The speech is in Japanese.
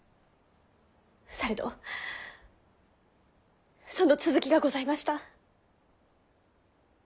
されどその続きがございました。